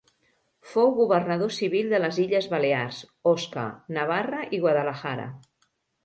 Fou governador civil de les Illes Balears, Osca, Navarra i Guadalajara.